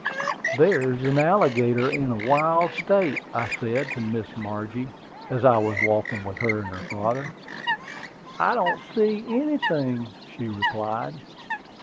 "There is an alligator in the wild state," I said to Miss Margie, as I was walking with her and her father. "I don't see anything," she replied.